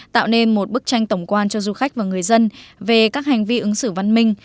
tạo nên một bức tranh tổng quan cho du khách và người dân về các hành vi ứng xử văn minh